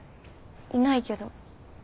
いないけど。